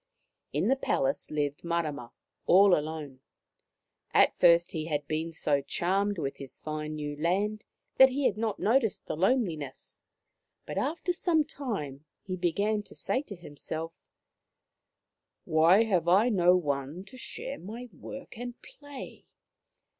In the palace lived Marama, all alone. At first he had been so charmed with his fine new land that he had not noticed the loneliness, but after some time he began to say to himself :" Why have I no one to share my work and play